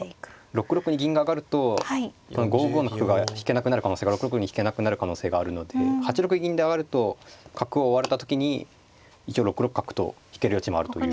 ６六に銀が上がると５五の角が６六に引けなくなる可能性があるので８六銀で上がると角を追われた時に一応６六角と引ける余地もあるという。